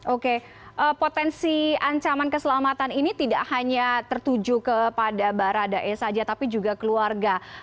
oke potensi ancaman keselamatan ini tidak hanya tertuju kepada baradae saja tapi juga keluarga